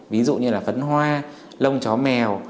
ví dụ như là phấn hoa lông chó mèo